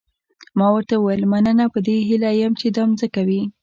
ما ورته وویل مننه په دې هیله یم چې دا مځکه وي.